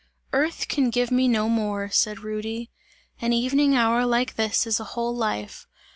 "Earth can give me no more," said Rudy, "an evening hour like this is a whole life!